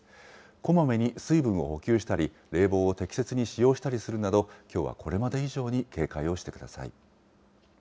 こまめに水分を補給したり、冷房を適切に使用したりするなど、きょうはこれまで以上に警戒をしてください。